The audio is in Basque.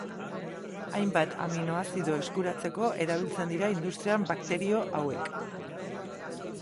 Hainbat aminoazido eskuratzeko erabiltzen dira industrian bakterio hauek.